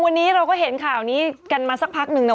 วันนี้เราก็เห็นข่าวนี้กันมาสักพักนึงนะ